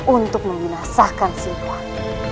untuk membinasahkan si luwani